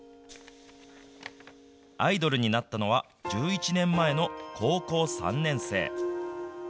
アイドルになったのは１１年前の高校３年生。